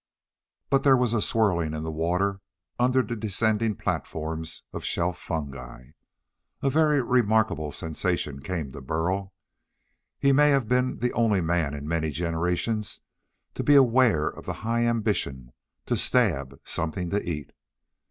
But there was a swirling in the water under the descending platforms of shelf fungi. A very remarkable sensation came to Burl. He may have been the only man in many generations to be aware of the high ambition to stab something to eat.